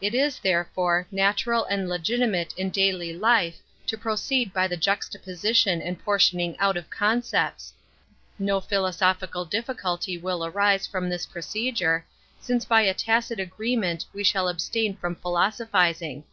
It is, therefore, natural and logtttmate in daily life to proceed by the juxtaposition and portioning out of con oopts; no {>hiIo8ophical difficulty will arise tnm\ this prtH*eiluix^, since by a tacit agree nuMit wo shall al>8tain from philosophizing.